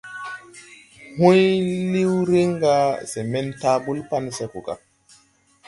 Hùy liw riŋ ga se men taabul pan se go gà.